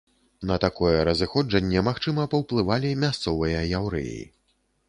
На такое разыходжанне, магчыма, паўплывалі мясцовыя яўрэі.